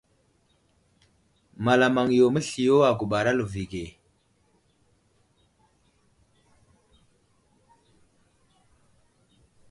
Malamaŋ yo məsliyo a guɓar a lovige.